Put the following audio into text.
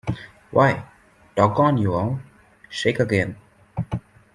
Why, doggone you all, shake again.